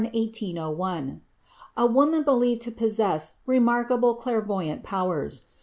1801), a woman believed to possess remarkable clairvoyant powers.